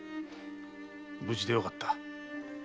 無事でよかった。